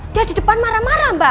dia di depan marah marah mbak